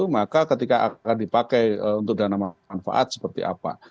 maka ketika akan dipakai untuk dana manfaat seperti apa